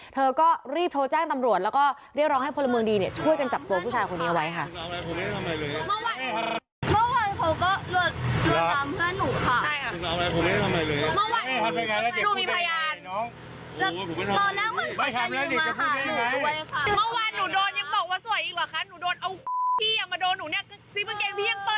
เธอก็รีบโทรแจ้งตำรวจแล้วก็เรียกร้องให้พลเมืองดีช่วยกันจับตัวผู้ชายคนนี้เอาไว้ค่ะ